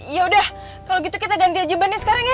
yaudah kalau gitu kita ganti aja bannya sekarang ya